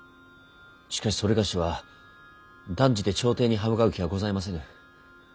しかし某は断じて朝廷に刃向かう気はございませぬ。